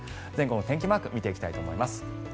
全国の天気マーク見ていきたいと思います。